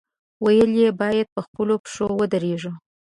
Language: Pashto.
ویل یې، باید په خپلو پښو ودرېږو.